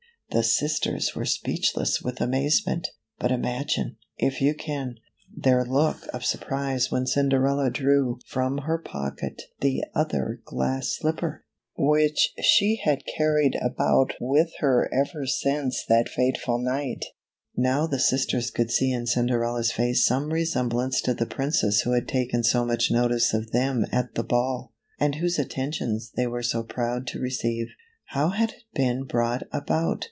The sisters were speechless with amazement; but imagine, if you can, their look of surprise when Cinder ella drew from her pocket the other glass slipper, which she had carried about with her ever since that fateful night. CINDERELLA , OR THE LITTLE CLASS SLIPPER . Now the sisters could see in Cinderella's face some resem blance to the Princess who had taken so much notice of them at the ball, and whose attentions they were so proud to receive. How had it been brought about?